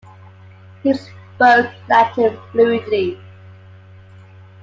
He spoke Latin fluently.